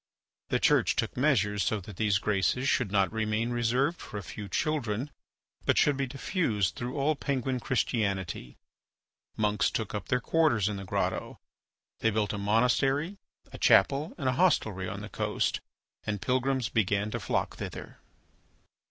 The Church took measures so that these graces should not remain reserved for a few children, but should be diffused throughout all Penguin Christianity. Monks took up their quarters in the grotto, they built a monastery, a chapel, and a hostelry on the coast, and pilgrims began to flock thither.